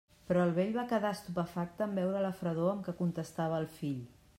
Però el vell va quedar estupefacte en veure la fredor amb què contestava el fill.